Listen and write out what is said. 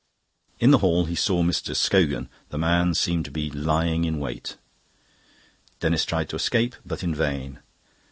In the hall he saw Mr. Scogan; the man seemed to be lying in wait. Denis tried to escape, but in vain.